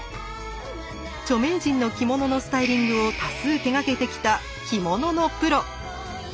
著名人の着物のスタイリングを多数手がけてきた着物のプロ。